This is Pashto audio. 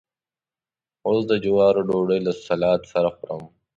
اوس د جوارو ډوډۍ له سلاد سره خورم.